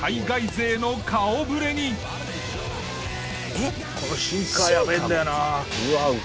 えっ！